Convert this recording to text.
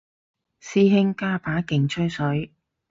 師兄加把勁吹水